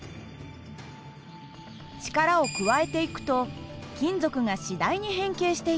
力を加えていくと金属が次第に変形していきます。